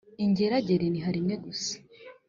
ingeragere iniha rimwe gusa,